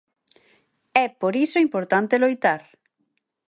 É por iso importante loitar.